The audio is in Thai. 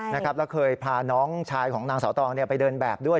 แล้วเคยพาน้องชายของนางสาวตองไปเดินแบบด้วย